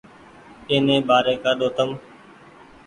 ايني ٻآري ٻگآۮو تم